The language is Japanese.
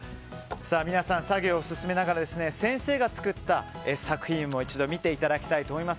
皆さん、作業を進めながら先生が作った作品を一度見ていただきたいと思います。